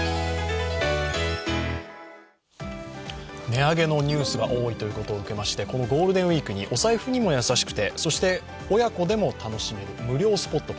値上げのニュースが多いということを受けましてこのゴールデンウイークにお財布にも優しくてそして親子でも楽しめる無料スポット